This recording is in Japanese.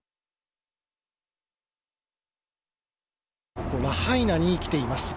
ここ、ラハイナに来ています。